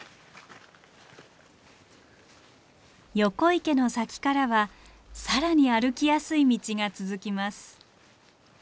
横池の先からは更に歩きやすい道が続きます。